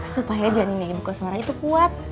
supaya janinnya ibu kosaura itu kuat